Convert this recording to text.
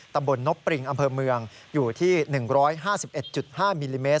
ตำบลนบปริงอำเภอเมืองอยู่ที่๑๕๑๕มิลลิเมต